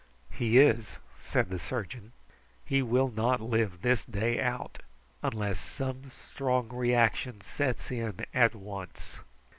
"He is," said the surgeon. "He will not live this day out, unless some strong reaction sets in at once.